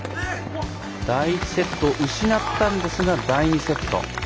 第１セット失ったんですが第２セット。